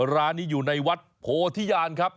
ร้านนี้อยู่ในวัดโพธิญาณครับ